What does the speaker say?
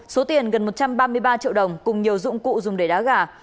số tiền gần một trăm ba mươi ba triệu đồng cùng nhiều dụng cụ dùng để đá gà